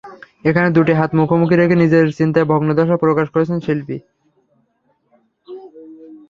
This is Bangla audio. এখানে দুটি হাত মুখোমুখি রেখে নিজের চিন্তার ভগ্নদশা প্রকাশ করেছেন শিল্পী।